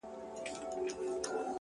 مثبت انسان فرصتونه ویني